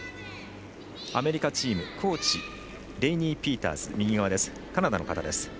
アメリカチーム、コーチレイニー・ピーターズカナダの方です。